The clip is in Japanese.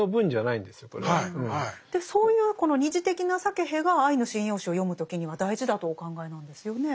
そういうこの「二次的なサケヘ」が「アイヌ神謡集」を読む時には大事だとお考えなんですよね？